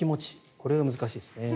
これが難しいですね。